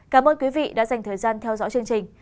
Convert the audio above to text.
cảm ơn quý vị đã dành thời gian theo dõi chương trình